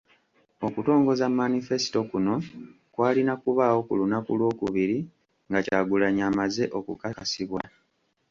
Okutongoza Manifesito kuno kw'alina kubaawo ku lunaku Lwokubiri nga Kyagulanyi amaze okukakasibwa.